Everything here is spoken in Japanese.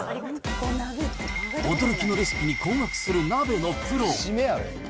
驚きのレシピに困惑する鍋のプロ。